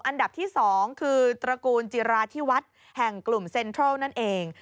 อันดับที่๒คือตระกูลจิราธิวัฒน์แห่งกลุ่มเซ็นทรัลนั่นเอง